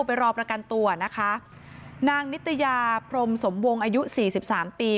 ไปรอประกันตัวนะคะนางนิตยาพรมสมวงอายุสี่สิบสามปี